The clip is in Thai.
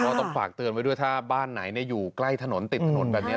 ต้องฝากเตือนไว้ด้วยถ้าบ้านไหนอยู่ใกล้ถนนติดถนนแบบนี้